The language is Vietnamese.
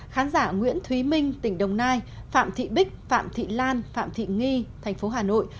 khán giả nguyễn thúy minh tỉnh đồng nai phạm thị bích phạm thị lan phạm thị nghi thành phố hà nội